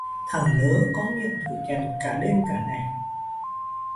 Thằng nớ có miệng thổi kèn cả đêm cả ngày